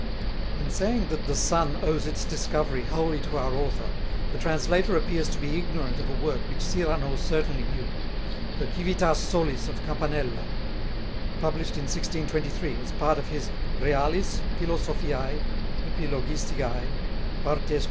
In saying that "the sun owes its discovery wholly to our author," the translator appears to be ignorant of a work which Cyrano certainly knew: the Civitas solis of Campanella, published in 1623 as a part of his Realis Philosophiæ Epilogisticæ Partes IV.